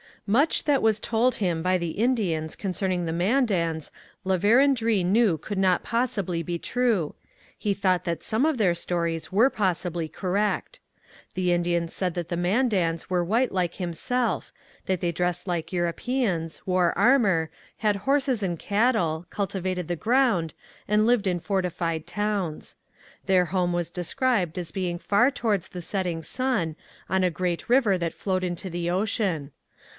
Much that was told him by the Indians concerning the Mandans La Vérendrye knew could not possibly be true; he thought that some of their stories were probably correct. The Indians said that the Mandans were white like himself, that they dressed like Europeans, wore armour, had horses and cattle, cultivated the ground, and lived in fortified towns. Their home was described as being far towards the setting sun, on a great river that flowed into the ocean.